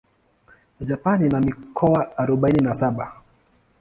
Japan ina mikoa arubaini na saba.